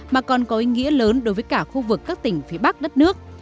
mà còn có ý nghĩa lớn đối với cả khu vực các tỉnh phía bắc đất nước